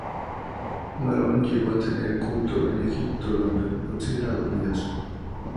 Marón llegó a tener culto en Egipto, donde fue considerado un dios.